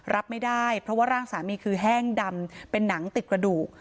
รับไม่ได้เพราะว่าร่างสามีคือแห้งดำเป็นหนังติดกระดูก